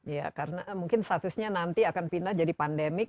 ya karena mungkin statusnya nanti akan pindah jadi pandemik